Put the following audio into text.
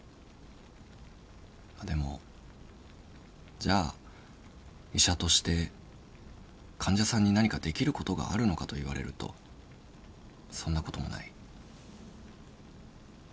でもじゃあ医者として患者さんに何かできることがあるのかと言われるとそんなこともない。